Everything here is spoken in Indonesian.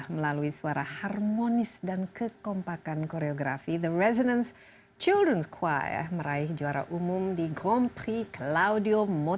melalui suara harmonis dan kekompakan koreografi the resonance children's choir meraih juara umum di grand prix claudio monaco